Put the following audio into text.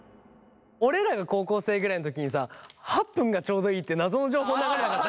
俺らが高校生ぐらいの時にさ８分がちょうどいいって謎の情報流れなかった？